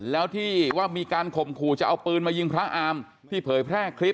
แล้วที่ว่ามีการข่มขู่จะเอาปืนมายิงพระอามที่เผยแพร่คลิป